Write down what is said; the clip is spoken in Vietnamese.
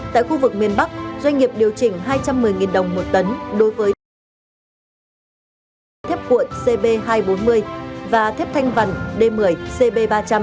tại khu vực miền bắc doanh nghiệp điều chỉnh hai trăm một mươi đồng một tấn đối với thép cuội cb hai trăm bốn mươi và thép thanh vần d một mươi cb ba trăm linh